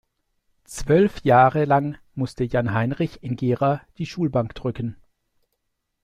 Zwölf Jahre lang musste Jan-Heinrich in Gera die Schulbank drücken.